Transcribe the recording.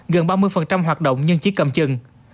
gần ba mươi hoạt động nhưng chỉ cầm chừng